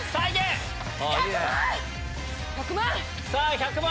１００万！